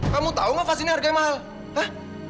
kamu tahu nggak pasti ini harganya apa